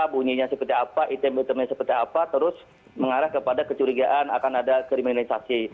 bunyinya seperti apa item itemnya seperti apa terus mengarah kepada kecurigaan akan ada kriminalisasi